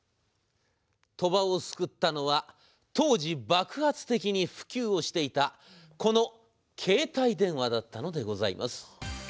鳥羽を救ったのは、当時爆発的に普及をしていた、この携帯電話だったのでございます。